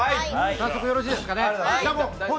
早速よろしいでしょうかね。